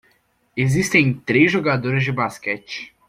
Existem três jogadores de basquete